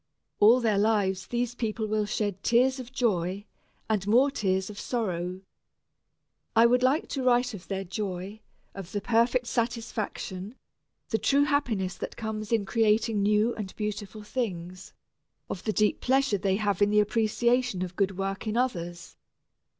All their lives these people will shed tears of joy, and more tears of sorrow. I would like to write of their joy, of the perfect satisfaction, the true happiness that comes in creating new and beautiful things, of the deep pleasure they have in the appreciation of good work in others.